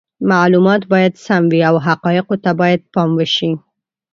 معلومات باید سم وي او حقایقو ته باید پام وشي.